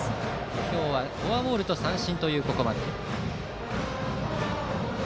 今日はフォアボールと三振のここまで。